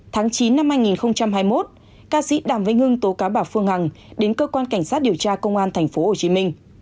tháng chín năm hai nghìn hai mươi một ca sĩ đảm vĩnh hưng tố cáo bảng quế phương hằng đến cơ quan cảnh sát điều tra công an tp hcm